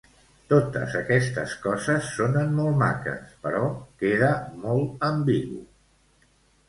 Totes aquestes coses sonen molt maques, però queda molt ambigu.